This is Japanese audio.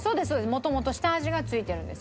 もともと下味がついてるんですよ。